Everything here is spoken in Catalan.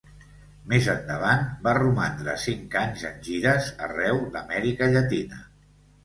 Més endavant va romandre cinc anys en gires arreu d'Amèrica Llatina.